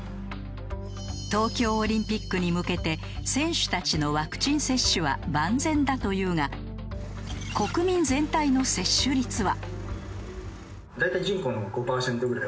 東京オリンピックに向けて選手たちのワクチン接種は万全だというが国民全体の接種率は？